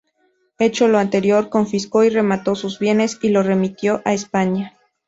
Hecho lo anterior, confiscó y remató sus bienes y lo remitió a España.